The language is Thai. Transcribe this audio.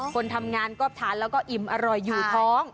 คนทำงานก็ทานแล้วก็อิ่มอร่อยอยู่ท้อง